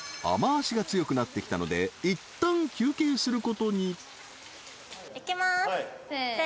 ［雨脚が強くなってきたのでいったん休憩することに］